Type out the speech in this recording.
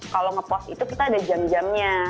kalau ngepost itu kita ada jam jamnya